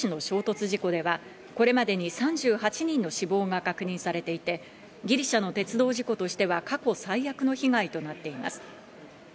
ギリシャ中部で先月２８日に起きた列車同士の衝突事故では、これまでに３８人の死亡が確認されていて、ギリシャの鉄道事故としては過去最悪の被害となっています。